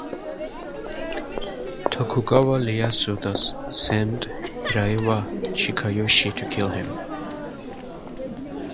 Tokugawa Ieyasu thus sent Hiraiwa Chikayoshi to kill him.